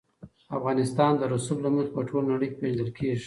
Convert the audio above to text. افغانستان د رسوب له مخې په ټوله نړۍ کې پېژندل کېږي.